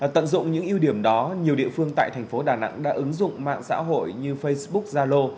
tận dụng những ưu điểm đó nhiều địa phương tại thành phố đà nẵng đã ứng dụng mạng xã hội như facebook zalo